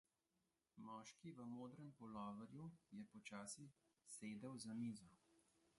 Moški v modrem puloverju je počasi sedel za mizo.